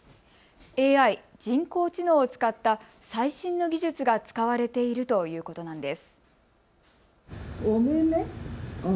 ＡＩ・人工知能を使った最新の技術が使われているということなんです。